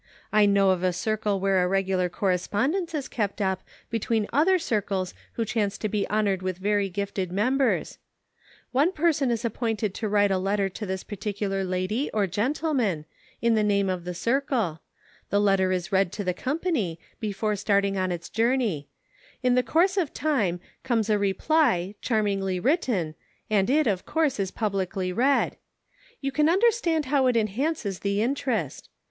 I know of a circle where a regular correspondence is kept up between other circles who chance to be honored with very gifted members. "One person is appointed to write a letter to this particular lady or gentleman, in the name of the circle ; the letter is read to the company, before starting on its journey ; in the course of time comes a reply, charmingly written, and it, of course, is 264 "in his name." publicly read ; you can understand how it enhances the interest.